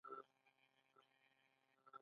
د اوبو ژوي باید وساتل شي